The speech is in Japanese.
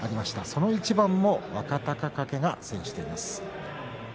その一番も若隆景が制しています。